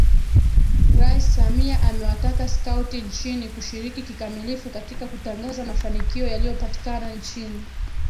Rais Samia amewataka Skauti nchini kushiriki kikamilifu katika kutangaza mafanikio yaliyopatikana nchini